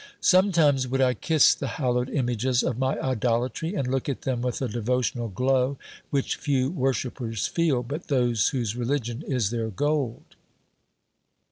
Sometimes would I kiss the hallowed images of my idolatry, and look at them with a devotional glow, which few worshippers feel, but those whose religion is their gold.